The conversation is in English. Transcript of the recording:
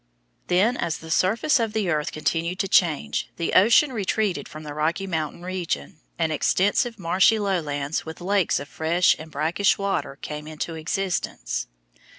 Then, as the surface of the earth continued to change, the ocean retreated from the Rocky Mountain region, and extensive marshy lowlands with lakes of fresh or brackish water came into existence.